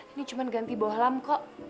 ini cuma ganti bawah lam kok